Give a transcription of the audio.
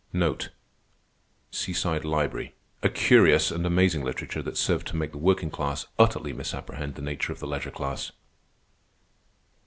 A curious and amazing literature that served to make the working class utterly misapprehend the nature of the leisure class.